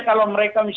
kalau mereka menunda